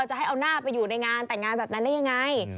จะให้เอาหน้าไปอยู่ในงานแต่งงานแบบนั้นได้ยังไง